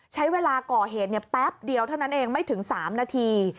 ใช้เวลาก่อเหตุแป๊บเดียวเท่านั้นเองไม่ถึง๓นาที